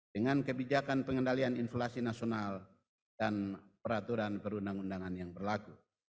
dengan kebijakan pengendalian inflasi nasional dan peraturan perundang undangan yang berlaku